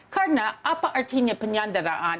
karena apa artinya penyandaraan